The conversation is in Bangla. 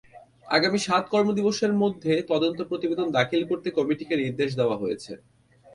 আগামী সাত কর্মদিবসের মধ্যে তদন্ত প্রতিবেদন দাখিল করতে কমিটিকে নির্দেশ দেওয়া হয়েছে।